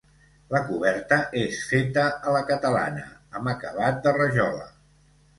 La coberta és feta a la catalana, amb acabat de rajola.